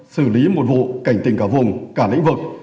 xử lý một vụ cảnh tình cả vùng cả lĩnh vực